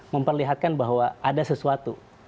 memperlihatkan bahwa ada sesuatu